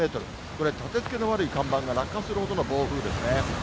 これ、立て付けの悪い看板が落下するほどの暴風ですね。